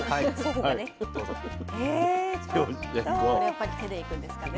やっぱり手でいくんですかね。